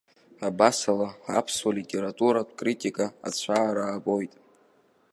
Абасала, аԥсуа литературатә критика ацәаара аабоит.